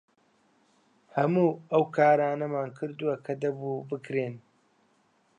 هەموو ئەو کارانەمان کردووە کە دەبوو بکرێن.